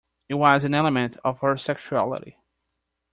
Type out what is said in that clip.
It was an element of her sexuality.